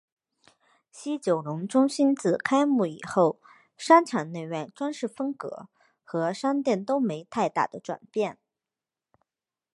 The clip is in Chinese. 西九龙中心自开幕以后商场内外装修风格和商店都没太大的转变。